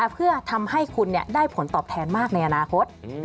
เพื่อทำให้คุณได้ผลตอบแทนมากในอนาคต